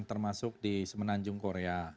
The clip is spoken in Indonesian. termasuk di semenanjung korea